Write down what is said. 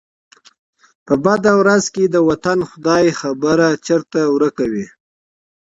په بده ورځ کي د وطن ، خداى خبر ، چرته ورک وې